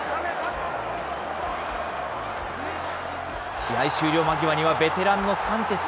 試合終了間際には、ベテランのサンチェス。